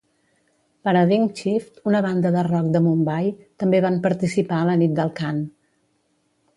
Paradigm Shift, una banda de rock de Mumbai, també van participar a la nit del cant.